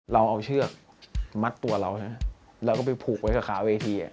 เราเอาเชือกมัดตัวเรานะแล้วก็ไปผูกไว้กับขาเวที